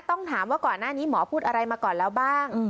ต้องถามว่าก่อนหน้านี้หมอพูดอะไรมาก่อนแล้วบ้าง